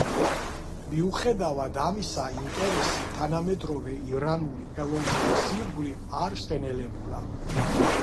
მიუხედავად ამისა, ინტერესი თანამედროვე ირანული ხელოვნების ირგვლივ არ შენელებულა.